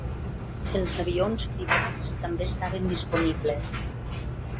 Els avions privats també estaven disponibles.